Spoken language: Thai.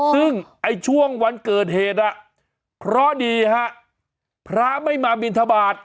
ซึ่งไอ้ช่วงวันเกิดเหตุเคราะห์ดีฮะพระไม่มาบินทบาท